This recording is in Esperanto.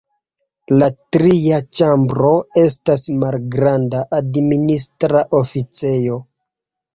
La tria ĉambro estas malgranda administra oficejo.